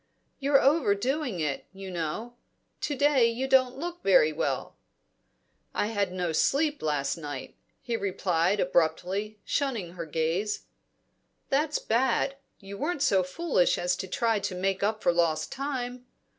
"You're overdoing it, you know. To day you don't look very well." "I had no sleep last night," he replied abruptly, shunning her gaze. "That's bad. You weren't so foolish as to try to make up for lost time?"